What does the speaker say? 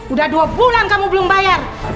udah dua bulan kamu belum bayar